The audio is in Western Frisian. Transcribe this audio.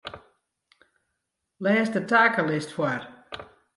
Lês de takelist foar.